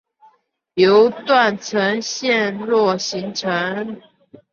由断层陷落形成。